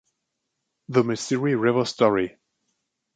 The Missouri River Story.